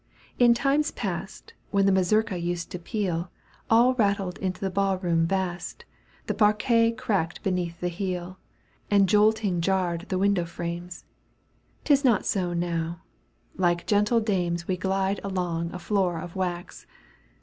In times past, When the mazurka used to peal, All ratfled in the ball room vast. The parquet cracked beneath the heel, And jolting jarred the window frames. 'Tis not so now. like gentle dames We glide along a floor of wax.